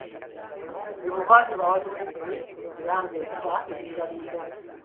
Ebuvanjuba waaliyo ekire era ng'enkuba ebindabinda.